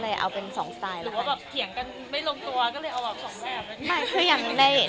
หรือแบบเหยียงกันไม่ลงตัวก็คือเอาแบบตัว